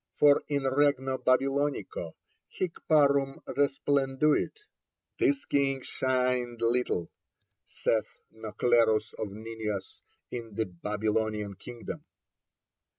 For in regno Babylonico hic parum resplenduit: 'This king shined little,' saith Nauclerus of Ninias, 'in the Babylonian kingdom.'